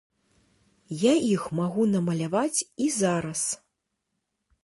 Я іх магу намаляваць і зараз.